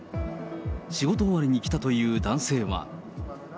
仕事終わりに来たという男性は。